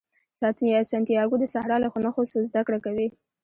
سانتیاګو د صحرا له نښو زده کړه کوي.